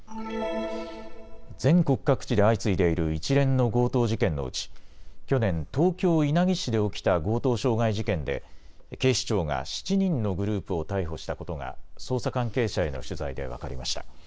全国各地で相次いでいる一連の強盗事件のうち、去年、東京稲城市で起きた強盗傷害事件で警視庁が７人のグループを逮捕したことが捜査関係者への取材で分かりました。